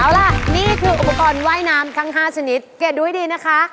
เอาล่ะนี่คืออุปกรณ์ว่ายน้ำทั้ง๕ชนิดเกรดดูให้ดีนะคะ